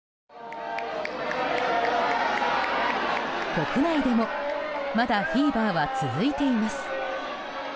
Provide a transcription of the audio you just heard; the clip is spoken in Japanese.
国内でもまだフィーバーは続いています。